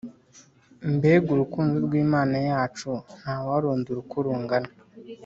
Mbega urukundo rw’imana yacu ntawarondora uko rungana